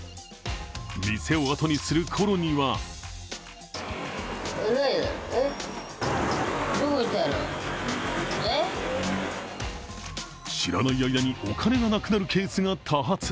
店を後にするころには知らない間にお金がなくなるケースが多発。